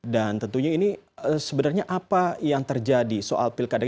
dan tentunya ini sebenarnya apa yang terjadi soal pilkadeg